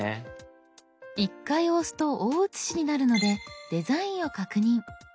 １回押すと大写しになるのでデザインを確認。